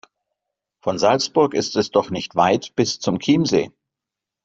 Von Salzburg ist es doch nicht weit bis zum Chiemsee.